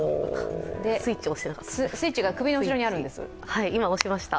スイッチが首の後ろにあるんです。